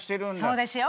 そうですよ。